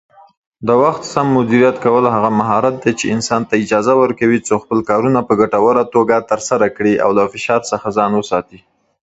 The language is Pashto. زه ځم چې لاړ شم، خو کله چې ځم، بيا نه پوهېږم چې ولې ځم او چېرته ځم.